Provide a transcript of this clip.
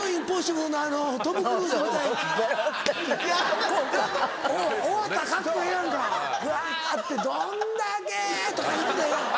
ぐわってどんだけ‼とか言うてたら。